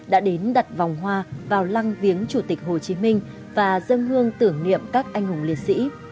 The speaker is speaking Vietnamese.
đã đến đặt vòng hoa vào lăng viếng chủ tịch hồ chí minh và dân hương tưởng niệm các anh hùng liệt sĩ